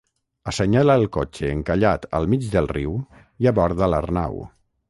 Assenyala el cotxe encallat al mig del riu i aborda l'Arnau.